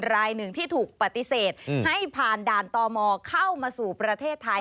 รายหนึ่งที่ถูกปฏิเสธให้ผ่านด่านตมเข้ามาสู่ประเทศไทย